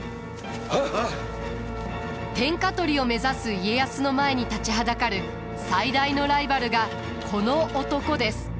天下取りを目指す家康の前に立ちはだかる最大のライバルがこの男です。